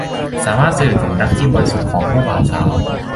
สามารถสื่อถึงรักที่บริสุทธิ์ของคู่บ่าวสาว